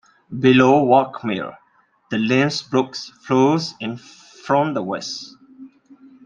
Below Walk Mill, the Limb Brook flows in from the west.